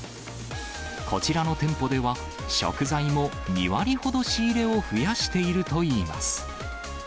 こちらの店舗では、食材も２割ほど仕入れを増やしているといいます。